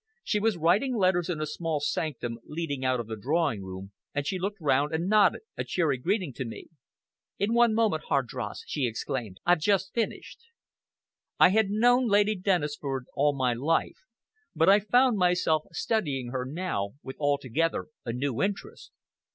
She was writing letters in a small sanctum leading out of the drawing room, and she looked round and nodded a cheery greeting to me. "In one moment, Hardross," she exclaimed. "I've just finished." I had known Lady Dennisford all my life; but I found myself studying her now with altogether a new interest.